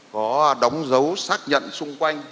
có đóng dấu xác nhận xung quanh